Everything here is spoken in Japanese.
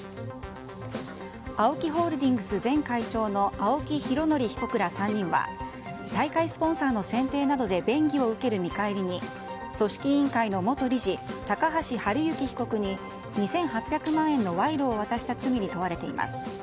ＡＯＫＩホールディングス前会長青木拡憲被告ら３人は大会スポンサーの選定などで便宜を受ける見返りに組織委員会の元理事高橋治之被告に２８００万円の賄賂を渡した罪に問われています。